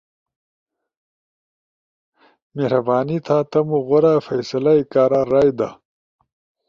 مہربانی تھا تمو غورا فیصلہ ئی کارا رائے دا۔